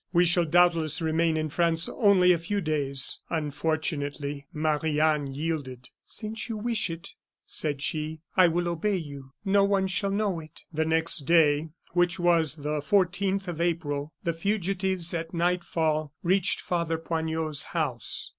We shall doubtless remain in France only a few days." Unfortunately, Marie Anne yielded. "Since you wish it," said she, "I will obey you. No one shall know it." The next day, which was the 14th of April, the fugitives at nightfall reached Father Poignot's house.